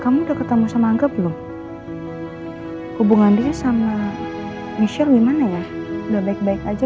oh ya kamu udah ketemu sama angga belum hubungan dia sama michelle gimana ya udah baik baik aja